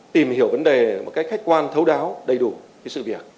tìm hiểu vấn đề một cách khách quan thấu đáo đầy đủ sự việc